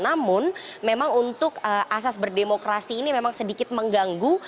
namun memang untuk asas berdemokrasi ini memang sedikit mengganggu